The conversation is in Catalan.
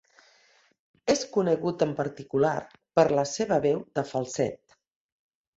És conegut en particular per la seva veu de falset.